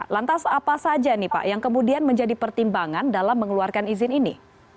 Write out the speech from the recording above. lantas apa saja nih pak yang kemudian menjadi pertimbangan dalam mengeluarkan izin ini